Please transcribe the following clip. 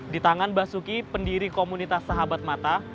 di tangan basuki pendiri komunitas sahabat mata